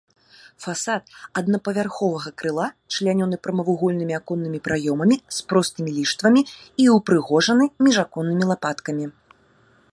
Фасад аднапавярховага крыла члянёны прамавугольнымі аконнымі праёмамі з простымі ліштвамі і ўпрыгожаны міжаконнымі лапаткамі.